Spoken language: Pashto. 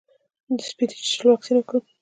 د سپي د چیچلو واکسین وکړم؟